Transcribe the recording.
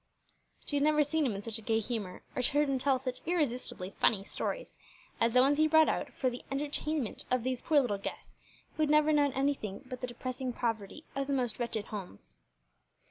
She had never seen him in such a gay humor, or heard him tell such irresistibly funny stories as the ones he brought out for the entertainment of these poor little guests, who had never known anything but the depressing poverty of the most wretched homes.